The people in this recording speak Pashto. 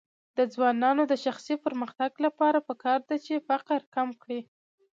د ځوانانو د شخصي پرمختګ لپاره پکار ده چې فقر کم کړي.